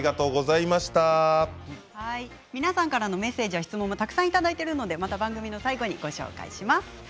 皆さんからのメッセージや質問もたくさんいただいているので、番組の最後にご紹介します。